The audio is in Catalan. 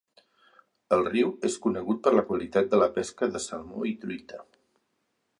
El riu és conegut per la qualitat de la pesca de salmó i truita.